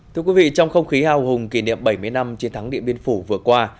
thưa quý vị trong không khí hào hùng kỷ niệm bảy mươi năm chiến thắng điện biên phủ vừa qua